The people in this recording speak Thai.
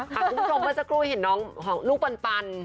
คุณผู้ชมเมื่อสักครู่เห็นน้องลูกปัน